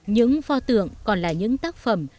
những pho tượng còn là những tác phẩm